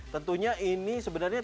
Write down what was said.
tentunya ini sebenarnya